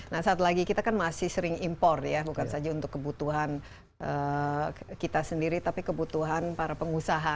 nah saat lagi kita kan masih sering impor ya bukan saja untuk kebutuhan kita sendiri tapi kebutuhan para pengusaha